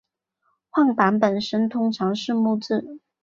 晃板本身通常是木制。